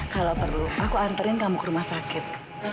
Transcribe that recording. kalau perlu aku anterin kamu ke rumah sakit